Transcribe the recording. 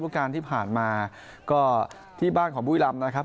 การที่ผ่านมาก็ที่บ้านของบุรีรำนะครับ